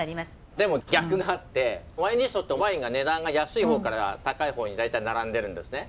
でも逆があってワインリストってワインが値段が安い方から高い方に大体並んでるんですね。